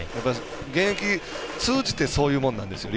現役通じてそういうもんなんですよ。